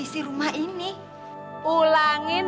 jauh lebih baik